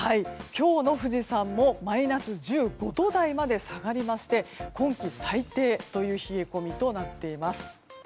今日の富士山もマイナス１５度台まで下がりまして今季最低という冷え込みとなっています。